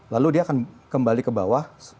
lalu dia akan kembali ke bawah